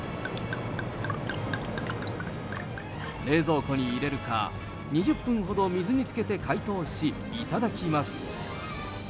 冷蔵庫に入れるか、２０分ほど水につけて解凍し、頂きます。